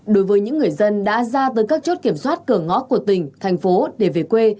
đối với những người dân đã ra tới các chốt kiểm soát cửa ngõ của tỉnh thành phố để về quê